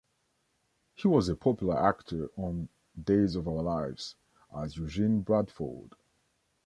He was a popular actor on "Days of Our Lives" as Eugene Bradford.